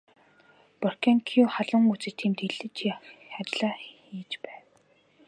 Боркенкою халуун үзэж тэмдэглэх ажлаа хийж байв.